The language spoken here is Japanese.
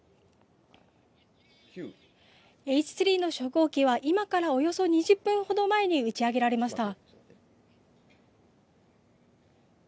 Ｈ３の初号機は今からおよそ２０分ほど前に打ち上げられました。